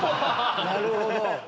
なるほど。